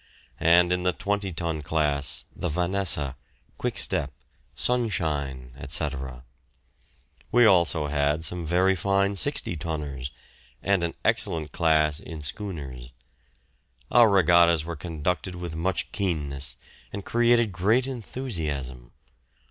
and in the twenty ton class the "Vanessa," "Quickstep," "Sunshine," etc. We had also some very fine sixty tonners, and an excellent class in schooners. Our regattas were conducted with much keenness, and created great enthusiasm.